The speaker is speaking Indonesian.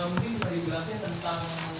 mungkin bisa dijelaskan tentang